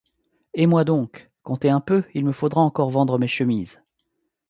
Et moi donc ! comptez un peu, il me faudra encore vendre mes chemises.